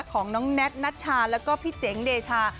ของน้องแท็ตนัชชาแล้วก็พี่เจ๋งเดชา